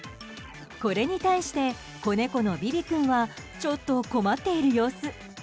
これに対して、子猫のビビ君はちょっと困っている様子。